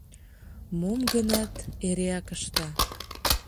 Мом-гынат эреак ышта.